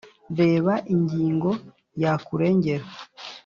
reba ingingo ya kurengera